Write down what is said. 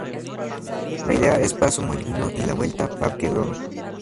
La ida es Paso Molino y la vuelta Parque Rodó.